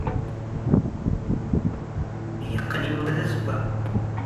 Yeqqel Yuba d azewwaɣ.